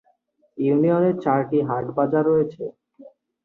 ইউনিয়নে চারটি হাট-বাজার রয়েছে।